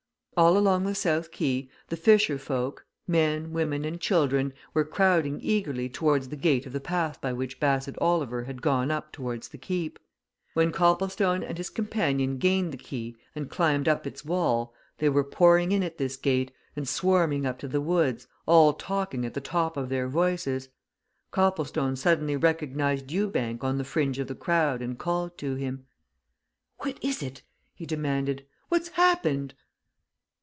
All along the south quay the fisher folk, men, women, and children, were crowding eagerly towards the gate of the path by which Bassett Oliver had gone up towards the Keep. When Copplestone and his companion gained the quay and climbed up its wall they were pouring in at this gate, and swarming up to the woods, all talking at the top of their voices. Copplestone suddenly recognized Ewbank on the fringe of the crowd and called to him. "What is it?" he demanded. "What's happened?"